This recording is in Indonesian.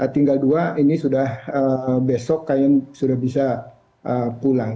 tinggal dua ini sudah besok kalian sudah bisa pulang